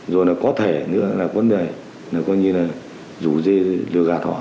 rồi có thể rủ dê lừa gạt họ